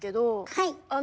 はい。